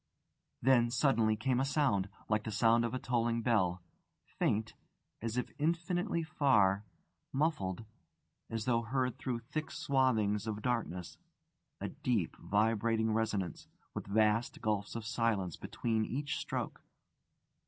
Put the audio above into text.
Then, suddenly, came a sound, like the sound of a tolling bell: faint, as if infinitely far; muffled, as though heard through thick swathings of darkness: a deep, vibrating resonance, with vast gulfs of silence between each stroke.